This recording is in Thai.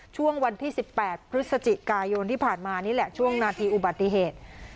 ช่วงวันที่๑๘พฤศจิกายนที่ผ่านมานี่แหละช่วงนาทีอุบัติเหตุ